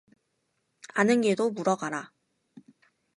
아는 길도 물어가라